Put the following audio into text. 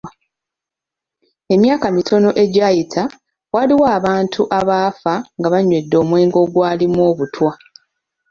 Emyaka mitono egyayita, waliwo abantu abaafa nga banywedde omwenge ogwalimu obutwa.